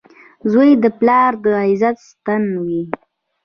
• زوی د پلار د عزت ستن وي.